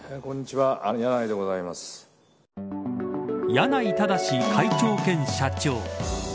柳井正会長兼社長。